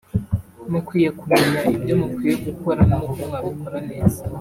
mukwiye kumenya ibyo mukwiye gukora n’uko mwabikora neza